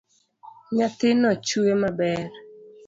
Nyathino chwe maber.